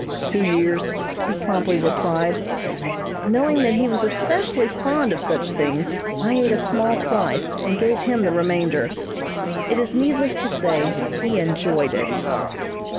"Two years," he promptly replied. Knowing that he was especially fond of such things, I ate a small slice, and gave him the remainder. It is needless to say he enjoyed it.